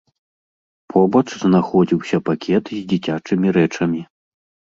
Побач знаходзіўся пакет з дзіцячымі рэчамі.